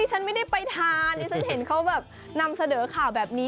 ฉันไม่ได้ไปทานดิฉันเห็นเขาแบบนำเสนอข่าวแบบนี้